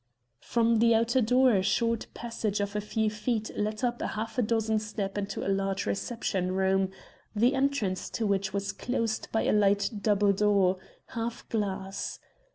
From the outer door a short passage of a few feet led up half a dozen steps into a large reception room, the entrance to which was closed by a light double door, half glass.